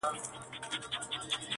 په سمه لاره کي پل مه ورانوی،